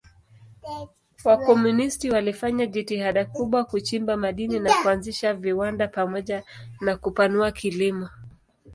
Wakomunisti walifanya jitihada kubwa kuchimba madini na kuanzisha viwanda pamoja na kupanua kilimo.